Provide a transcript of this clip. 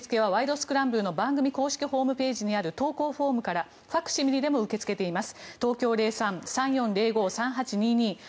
スクランブル」の番組公式ホームページにある投稿フォームからファクシミリでも受け付けています。